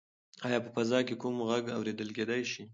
ایا په فضا کې کوم غږ اورېدل کیدی شي؟